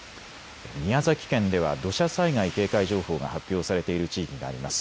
宮崎県では土砂災害警戒情報が発表されている地域があります。